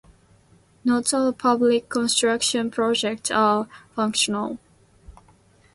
Not all public construction projects are functional.